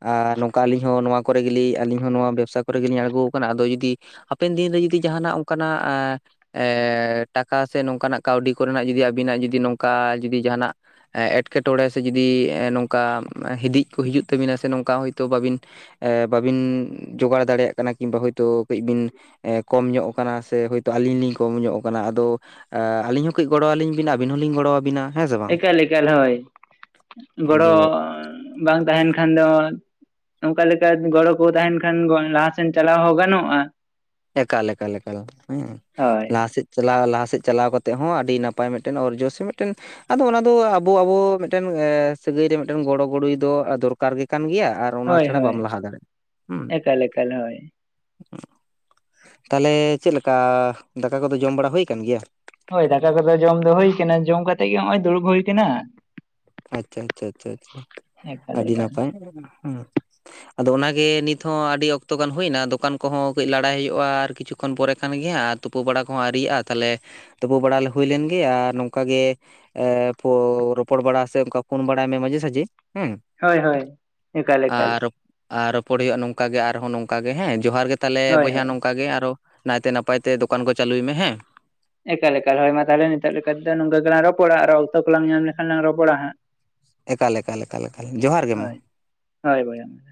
Speaker 1: ᱟᱨ ᱱᱚᱝᱠᱟ ᱟᱹᱞᱤᱧ ᱦᱚᱸ ᱱᱚᱣᱟ ᱠᱚᱨᱮ ᱜᱮᱞᱤᱧ ᱟᱹᱞᱤᱧ ᱦᱚᱸ ᱱᱚᱣᱟ ᱵᱮᱵᱽᱥᱟ ᱠᱚᱨᱮ ᱜᱮᱞᱤᱧ ᱟᱬᱜᱚ ᱟᱠᱟᱱᱟ ᱟᱫᱚ ᱡᱩᱫᱤ ᱦᱟᱯᱮᱱ ᱫᱤᱱᱨᱮ ᱡᱩᱫᱤ ᱡᱟᱦᱟᱱᱟᱜ ᱚᱱᱠᱟᱱᱟᱜ ᱮ ᱴᱟᱠᱟ ᱥᱮ ᱱᱚᱝᱠᱟᱱᱟᱜ ᱠᱟᱹᱣᱰᱤ ᱠᱚᱨᱮᱱᱟᱜ ᱡᱩᱫᱤ ᱟᱹᱵᱤᱱᱟᱜ ᱡᱩᱫᱤ ᱱᱚᱝᱠᱟ ᱡᱩᱫᱤ ᱡᱟᱦᱟᱱᱟᱜ ᱮᱸᱴᱠᱮᱴᱚᱬᱮ ᱥᱮ ᱡᱩᱫᱤ ᱱᱚᱝᱠᱟ ᱦᱤᱫᱤᱡ ᱠᱚ ᱦᱤᱡᱩᱜ ᱛᱟᱹᱵᱤᱱᱟ ᱥᱮ ᱱᱚᱝᱠᱟ ᱦᱳᱭᱛᱳ ᱵᱟᱹᱵᱤᱱ ᱮᱻ ᱵᱟᱵᱤᱱ ᱡᱳᱜᱟᱲ ᱫᱟᱲᱮᱭᱟᱜ ᱠᱟᱱᱟ ᱠᱤᱝᱵᱟ ᱦᱳᱭᱛᱳ ᱠᱟᱹᱡ ᱵᱤᱱ ᱠᱚᱢ ᱧᱚᱜ ᱟᱠᱟᱱᱟ ᱥᱮ ᱦᱳᱭᱛᱳ ᱟᱞᱤᱧ ᱞᱤᱧ ᱠᱚᱢ ᱧᱚᱜ ᱟᱠᱟᱱᱟ ᱟᱫᱚ ᱟᱹᱞᱤᱧ ᱠᱟᱹᱡ ᱜᱚᱲᱚ ᱟᱹᱞᱤᱧ ᱵᱤᱱ ᱟᱵᱮᱱ ᱦᱚᱞᱤᱧ ᱜᱚᱲᱚᱣᱟᱵᱤᱱᱟ᱾
Speaker 2: ᱮᱠᱟᱞ ᱮᱠᱟᱞ ᱦᱳᱭ,
Speaker 1: ᱟᱫᱚ
Speaker 2: ᱜᱚᱲᱚ ᱵᱟᱝ ᱛᱟᱦᱮᱱ ᱠᱷᱟᱱ ᱫᱚ ᱚᱱᱠᱟ ᱞᱮᱠᱟ ᱜᱚᱲᱚ ᱠᱚ ᱛᱟᱦᱮᱱ ᱠᱷᱟᱱ ᱞᱟᱦᱟᱥᱮᱱ ᱪᱟᱞᱟᱣ ᱦᱚᱸ ᱜᱟᱱᱚᱜᱼᱟ᱾
Speaker 1: ᱮᱠᱟᱞᱮᱠᱟᱞᱮᱠᱟᱞ ᱦᱮᱸ
Speaker 2: ᱦᱳᱭ
Speaker 1: ᱞᱟᱦᱟᱥᱮᱫ ᱪᱟᱞᱟᱣ ᱞᱟᱦᱟ ᱥᱮᱫ ᱪᱟᱞᱟᱣ ᱠᱟᱛᱮᱫ ᱦᱚᱸ ᱟᱹᱰᱤ ᱱᱟᱯᱟᱭ ᱢᱤᱫᱴᱮᱱ ᱚᱨᱡᱚ ᱥᱮ ᱢᱤᱫᱴᱮᱱ ᱟᱫᱚ ᱚᱱᱟ ᱫᱚ ᱟᱵᱚ ᱟᱵᱚ ᱢᱤᱫᱴᱮᱱ ᱥᱟᱹᱜᱟᱹᱭ ᱨᱮ ᱢᱤᱫᱴᱮᱱ ᱜᱚᱲᱚ ᱜᱚᱲᱚᱭ ᱫᱚ ᱫᱚᱨᱠᱟᱨ ᱜᱮ ᱠᱟᱱ ᱜᱮᱭᱟ ᱟᱨ ᱚᱱᱟ
Speaker 2: ᱦᱳᱭ
Speaker 1: ᱪᱷᱟᱲᱟ
Speaker 2: ᱦᱳᱭ
Speaker 1: ᱵᱟᱢ ᱞᱟᱦᱟ ᱫᱟᱲᱮ, ᱦᱩᱸ ᱾
Speaker 2: ᱮᱠᱟᱞ ᱮᱠᱟᱞ ᱦᱳᱭ
Speaker 1: ᱛᱟᱞᱮ ᱪᱮᱫ ᱞᱮᱠᱟ ᱫᱟᱠᱟ ᱠᱚᱫᱚ ᱡᱚᱢ ᱵᱟᱲᱟ ᱦᱩᱭ ᱟᱠᱟᱱ ᱜᱮᱭᱟ?
Speaker 2: ᱦᱳᱭ ᱫᱟᱠᱟ ᱠᱚᱫᱚ ᱡᱚᱢ ᱫᱚ ᱦᱩᱭ ᱠᱟᱱᱟ ᱡᱚᱢ ᱠᱟᱛᱮ ᱜᱮ ᱱᱚᱜᱼᱚᱭ ᱫᱩᱲᱩᱵ ᱦᱩᱭ ᱠᱟᱱᱟ᱾
Speaker 1: ᱟᱪᱪᱷᱟ ᱟᱪᱪᱷᱟ ᱟᱪᱪᱷᱟ
Speaker 2: ᱮᱠᱟᱞ
Speaker 1: ᱟᱹᱰᱤ
Speaker 2: ᱮᱠᱟᱞ
Speaker 1: ᱱᱟᱯᱟᱭ᱾ ᱦᱮᱸ᱾
Speaker 2: [inaudible]
Speaker 1: ᱟᱫᱚ ᱚᱱᱟᱜᱮ ᱱᱤᱛ ᱦᱚᱸᱚᱸ ᱟᱹᱰᱤ ᱚᱠᱛᱚ ᱜᱟᱱ ᱦᱩᱭᱱᱟ ᱫᱚᱠᱟᱱ ᱠᱚᱦᱚᱸ ᱠᱟᱹᱡ ᱞᱟᱲᱟᱭ ᱦᱩᱭᱩᱜᱼᱟ ᱟᱨ ᱠᱤᱪᱷᱩ ᱠᱷᱚᱱ ᱯᱚᱨᱮ ᱠᱟᱱ ᱜᱮᱭᱟ ᱟᱨ ᱛᱩᱯᱩ ᱵᱟᱲᱟ ᱠᱚᱸ ᱟᱹᱨᱤᱭᱟᱜᱼᱟ ᱛᱟᱞᱮ ᱛᱩᱯᱩ ᱵᱟᱲᱟ ᱦᱩᱭ ᱞᱮᱱ ᱜᱮ ᱟᱨ ᱱᱚᱝᱠᱟ ᱜᱮ ᱨᱚᱯᱚᱲ ᱵᱟᱲᱟ ᱥᱮ ᱚᱱᱠᱟ ᱯᱷᱳᱱ ᱵᱟᱲᱟᱭ ᱢᱮ ᱢᱟᱡᱷᱮ ᱥᱟᱡᱷᱮ ᱦᱮᱸ
Speaker 2: ᱦᱳᱭ ᱦᱳᱭ ᱮᱠᱟᱞ ᱮᱠᱟᱞ
Speaker 1: ᱟᱨ ᱟᱨ ᱨᱚᱯᱚᱲ ᱦᱩᱭᱩᱜᱼᱟ ᱱᱚᱝᱠᱟ ᱜᱮ ᱟᱨᱦᱚ ᱱᱚᱝᱠᱟ ᱜᱮ ᱦᱮᱸ ᱡᱚᱦᱟᱨ ᱜᱮ ᱛᱟᱞᱮ
Speaker 2: ᱦᱳᱭ
Speaker 1: ᱵᱚᱭᱦᱟ
Speaker 2: ᱦᱳᱭ
Speaker 1: ᱱᱚᱝ ᱚᱱᱠᱟ ᱜᱮ ᱟᱨᱚ ᱱᱟᱭᱛᱮ ᱱᱟᱯᱟᱭ ᱛᱮ ᱫᱚᱠᱟᱱ ᱠᱚ ᱪᱟᱹᱞᱩᱭ ᱢᱮ ᱦᱮᱸ᱾
Speaker 2: ᱮᱠᱟᱞᱮᱠᱟᱞ ᱦᱳᱭ ᱢᱟ ᱛᱟᱦᱚᱞᱮ ᱱᱤᱛᱚᱜ ᱞᱮᱠᱟ ᱛᱚ ᱱᱚᱝᱠᱟ ᱜᱮᱞᱟᱝ ᱨᱚᱯᱚᱲᱟ ᱟᱨ ᱚᱠᱛᱚ ᱠᱚᱞᱟᱝ ᱧᱟᱢ ᱞᱮᱠᱷᱟᱱ ᱞᱟᱝ ᱨᱚᱯᱚᱲᱟ ᱦᱟᱸᱜ᱾
Speaker 1: ᱮᱠᱟᱞᱮᱠᱟᱞᱮᱠᱟᱞ ᱡᱚᱦᱟᱨᱜ ᱜᱮ ᱢᱟ᱾
Speaker 2: ᱦᱳᱭ ᱦᱳᱭ ᱵᱚᱭᱦᱟ ᱾